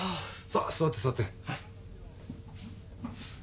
さあ座って座って。